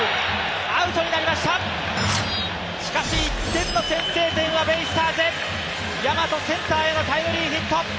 １点の先制点はベイスターズ大和、センターへのタイムリーヒット。